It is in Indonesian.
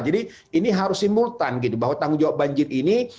jadi ini harus simultan gitu bahwa tanggung jawab banjir ini